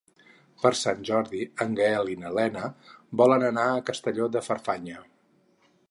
Per Sant Jordi en Gaël i na Lena volen anar a Castelló de Farfanya.